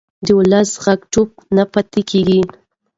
د ولس غږ چوپ نه پاتې کېږي